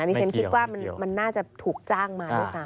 อันนี้ฉันคิดว่ามันน่าจะถูกจ้างมาด้วยค่ะ